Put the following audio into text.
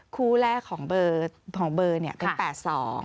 คู่แรกของเบอร์เนี่ยเป็น๘๒